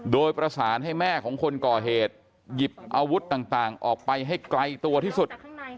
โดยประสานให้แม่ของคนก่อเหตุหยิบอาวุธต่างออกไปให้ไกลตัวที่สุด